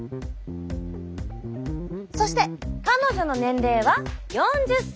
そして彼女の年齢は４０歳。